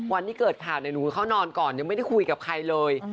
วันที่เกิดข่าวเนี่ยหนูเข้านอนก่อนยังไม่ได้คุยกับใครเลย